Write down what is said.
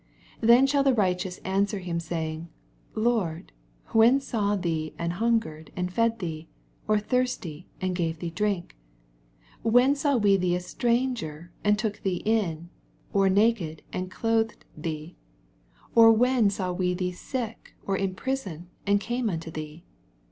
87 Then shall the righteous answer him, saying. Lord, when saw we thee an hungered, and fed thee f or thirsty, and gave tkee drink? 88 When saw we thee a stranger, and took Him in? or naked, and clothed M«6/ 89 Or when saw we thee sick, or ia prison, and came unto thee